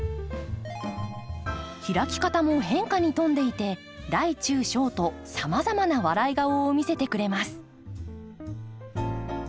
開き方も変化に富んでいて大中小とさまざまな笑い顔を見せてくれます。